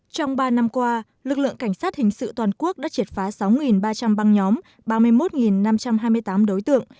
trong ba năm qua lực lượng cảnh sát hình sự toàn quốc đã triệt phá sáu ba trăm linh băng nhóm ba mươi một năm trăm hai mươi tám đối tượng